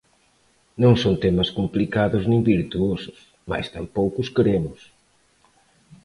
Non son temas complicados nin virtuosos, mais tampouco os queremos.